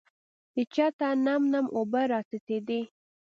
د چته نم نم اوبه راڅڅېدې .